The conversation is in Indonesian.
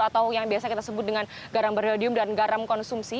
atau yang biasa kita sebut dengan garam berledium dan garam konsumsi